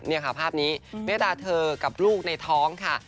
นี่ค่ะภาพนี้เมดาเธอกับลูกในท้องค่ะ